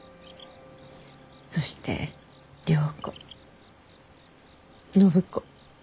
そして良子暢子歌子。